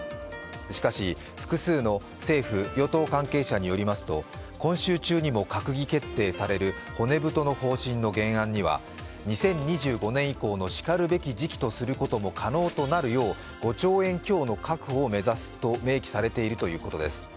しかし、複数の政府・与党関係者によりますと、今週中にも閣議決定される骨太の方針の原案には２０２５年以降のしかるべき時期とすることも可能となるよう５兆円強の確保を目指すと明記されているということです。